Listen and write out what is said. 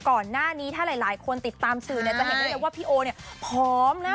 ก่อนหน้านี้ถ้าหลายคนติดตามสื่อจะเห็นได้ว่าพี่โอพร้อมนะ